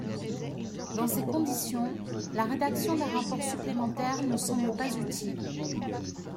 Dans ces conditions, la rédaction d’un rapport supplémentaire ne semble pas utile.